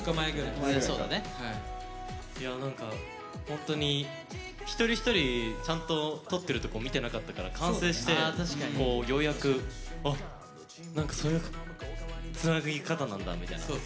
本当に一人一人ちゃんと撮ってるとこ見てなかったから完成してようやく、あ、なんかそういうつなぎ方なんだみたいな。